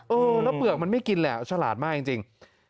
เออแล้วเปลือกมันไม่กินแหละฉลาดมากจริง